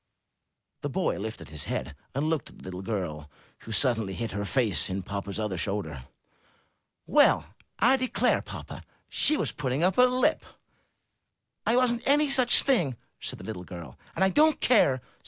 *' The boy lifted his head and looked at the little girl, who suddenly hid her face in the papa's other shoulder. ''Well, I declare, papa, she was putting up her lip." ''I wasn't any such thing!" said the little girl. ''And I don't care